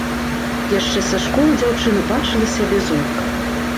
Яшчэ са школы дзяўчына бачыла сябе зоркай.